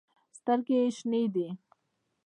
سترګې ېې شنې دي